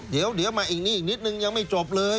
เดี๋ยวมาอีกนี้อีกนิดนึงยังไม่จบเลย